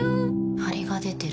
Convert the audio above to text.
ハリが出てる。